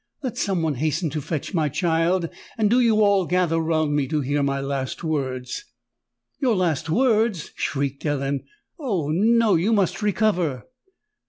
Let some one hasten to fetch my child; and do you all gather round me, to hear my last words!" "Your last words!" shrieked Ellen: "Oh! no—you must recover!"